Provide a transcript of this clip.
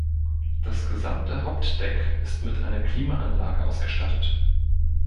Das gesamte Hauptdeck ist mit einer Klimaanlage ausgestattet.